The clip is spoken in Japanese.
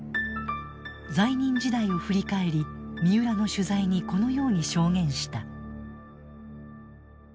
在任時代を振り返り三浦の取材にこのように証言した。